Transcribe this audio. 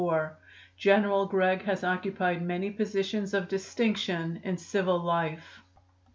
General Gregg has occupied many positions of distinction in civil life.